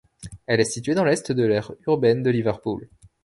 Elle est située dans l'est de l'aire urbaine de Liverpool.